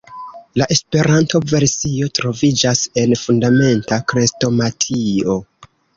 La Esperanto-versio troviĝas en Fundamenta Krestomatio.